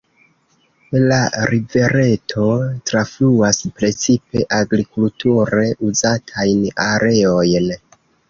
La rivereto trafluas precipe agrikulture uzatajn areojn.